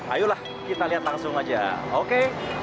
ayolah kita lihat langsung aja oke